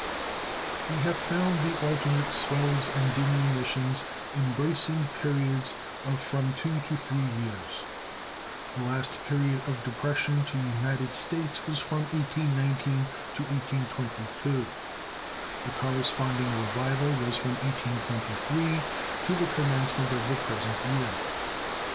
We have found the alternate swells and diminutions embracing periods of from two to three years. The last period of depression to United States was from 1819 to 1822. The corresponding revival was from 1823 to the commencement of the present year.